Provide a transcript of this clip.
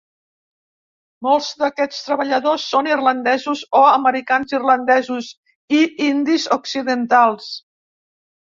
Molts d'aquests treballadors són irlandesos o americans-irlandesos i indis occidentals.